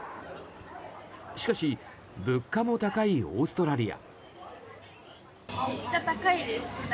しかし、物価も高いオーストラリア。